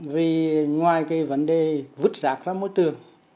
vì ngoài cái vấn đề vứt rạc ra môi trường